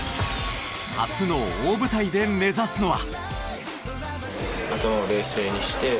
初の大舞台で目指すのは。